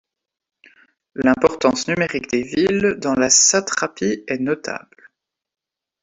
L'importance numérique des villes dans la satrapie est notable.